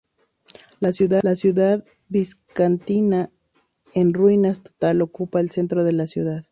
La ciudadela bizantina, en ruinas total, ocupa el centro de la ciudad.